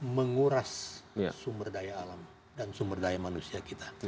menguras sumber daya alam dan sumber daya manusia kita